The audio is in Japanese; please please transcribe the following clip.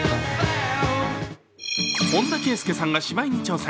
本田圭佑さんが芝居に挑戦。